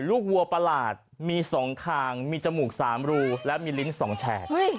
ลูกวัวประหลาดมีสองคางมีจมูกสามรูและมีลิ้นสองแฉด